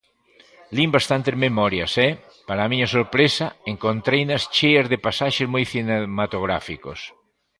Lin bastantes memorias e, para a miña sorpresa, encontreinas cheas de pasaxes moi cinematográficos.